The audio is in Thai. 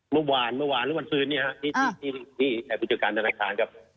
เมื่อวานเมื่อวานหรือวันพื้นเนี่ยฮะนี่นี่นี่นี่ไอ้ผู้จัดการธนาคารกับ